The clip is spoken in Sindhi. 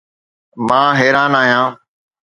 مان حيران آهيان